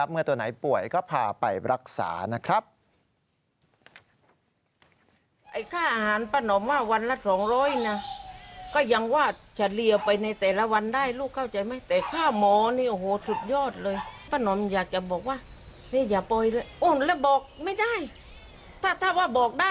เมื่อตัวไหนป่วยก็พาไปรักษานะครับ